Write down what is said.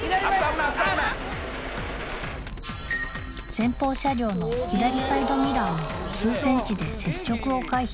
前方車両の左サイドミラーも数ｃｍで接触を回避